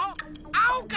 あおか？